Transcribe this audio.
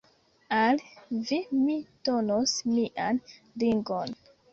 Al vi mi donos mian ringon.